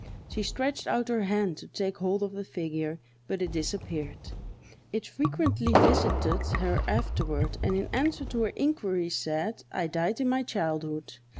She stretched out her hand to take hold of the figure, but it disappeared. It frequently visited her afterward, and in answer to her inquiries it said, "I died in my childhood!"